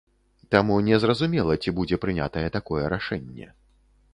Таму не зразумела, ці будзе прынятае такое рашэнне.